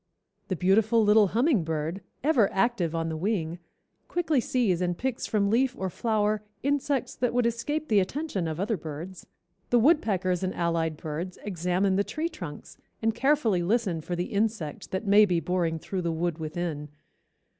The beautiful little hummingbird, ever active on the wing, quickly sees and picks from leaf or flower insects that would escape the attention of other birds. The woodpeckers and allied birds examine the tree trunks and carefully listen for the insect that may be boring through the wood within.